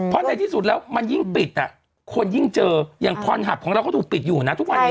เพราะในที่สุดแล้วมันยิ่งปิดอ่ะคนยิ่งเจออย่างพรหับของเราก็ถูกปิดอยู่นะทุกวันนี้